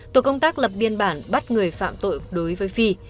tổ công tác lập biên bản bắt người phạm tội đối với phi